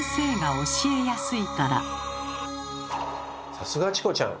さすがチコちゃん。